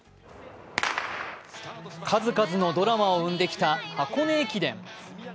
数々のドラマを生んできた箱根駅伝。